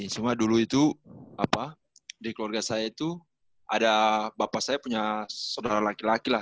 cuma dulu itu di keluarga saya itu ada bapak saya punya saudara laki laki lah